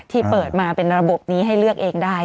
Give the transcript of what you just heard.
ที่เปิดมาเป็นระบบนี้ให้เลือกเองได้